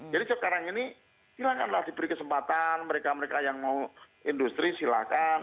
jadi sekarang ini silahkan lah diberi kesempatan mereka mereka yang mau industri silahkan